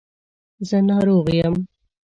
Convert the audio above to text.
زه ناروغ یم.